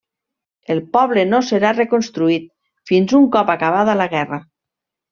El poble no serà reconstruït fins un cop acabada la guerra.